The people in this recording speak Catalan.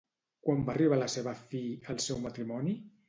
Quan va arribar a la seva fi, el seu matrimoni?